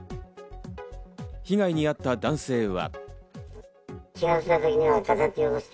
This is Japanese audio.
被害に遭った男性は。